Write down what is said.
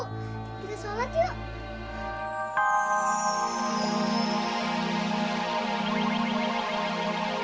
kita sholat yuk